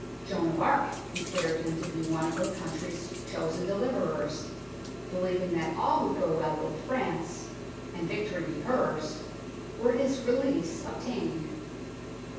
Joan of Arc considered him to be THE NORMAN KEEP 41 one of her country's chosen deliverers, believ ing that all would go well with France, and victory be hers, were his release obtained.